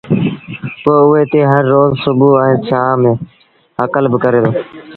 پو اُئي تي هر روز سڀو ائيٚݩ شآم هڪل با ڪري دو